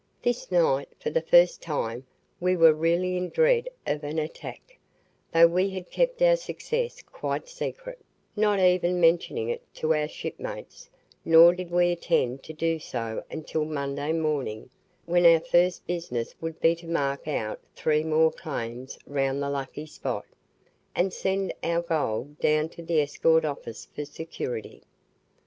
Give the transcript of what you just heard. This night, for the first time, we were really in dread of an attack, though we had kept our success quite secret, not even mentioning it to our shipmates; nor did we intend to do so until Monday morning, when our first business would be to mark out three more claims round the lucky spot, and send our gold down to the escort office for security.